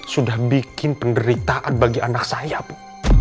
sudah bikin penderitaan bagi anak saya bu